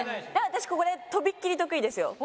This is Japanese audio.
私これとびっきり得意ですよ。